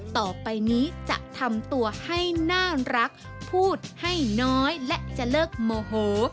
ต่อไปนี้จะทำตัวให้น่ารักพูดให้น้อยและจะเลิกโมโห